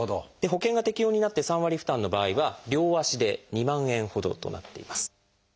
保険が適用になって３割負担の場合は両足で２万円ほどとなっています。